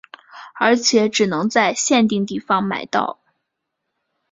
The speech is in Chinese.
而且只能在限定地方买到。